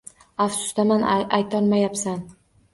Afsusdasan aytolmayabsan